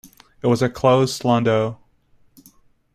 It was a closed landau.